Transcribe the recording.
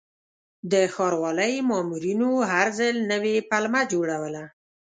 د ښاروالۍ مامورینو هر ځل نوې پلمه جوړوله.